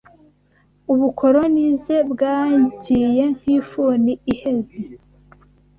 Ubukolonize bwagiye nk’ifuni iheze